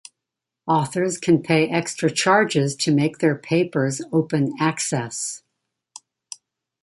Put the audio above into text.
Authors can pay extra charges to make their papers open access.